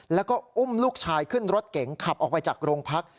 แล้วก็อุ้มลูกชายขึ้นรถเก๋งขับออกไปจากโรงพัก